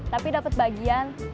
tapi dapet bagian